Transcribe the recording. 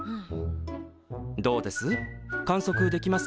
どうです？